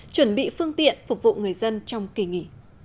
chuẩn bị phương tiện phục vụ người dân trong kỳ nghỉ